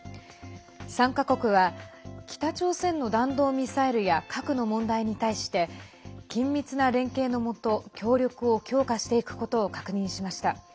３か国は北朝鮮の弾道ミサイルや核の問題に対して緊密な連携のもと協力を強化していくことを確認しました。